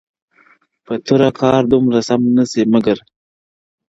• په توره کار دومره سم نسي مگر,